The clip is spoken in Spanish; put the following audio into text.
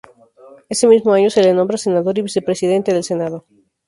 Ese mismo año se le nombra senador y vicepresidente del Senado.